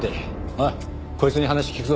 おいこいつに話聞くぞ。